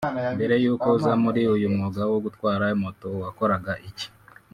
Mbere y’uko uza muri uyumwuga wo gutwara moto wakoraga iki